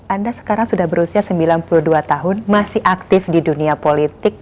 anda sekarang sudah berusia sembilan puluh dua tahun masih aktif di dunia politik